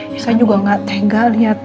saya juga gak tega